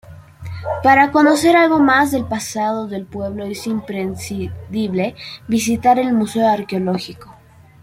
Para conocer algo más del pasado del pueblo es imprescindible visitar el Museo Arqueológico.